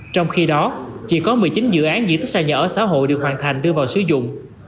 trong khi đó chỉ có một mươi chín dự án diện tích xa nhà ở xã hội được hoàn thành đưa vào sử dụng